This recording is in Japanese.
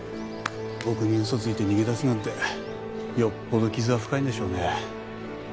僕に嘘ついて逃げ出すなんてよっぽど傷は深いんでしょうね。